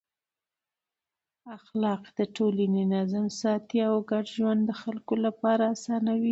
اخلاق د ټولنې نظم ساتي او ګډ ژوند د خلکو لپاره اسانوي.